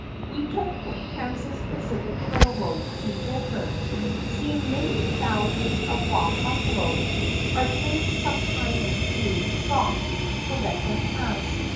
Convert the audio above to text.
We took the Kansas Pacific Railroad to Denver, seeing many thousands of wild buffalo our train sometimes being stopped to let them pass.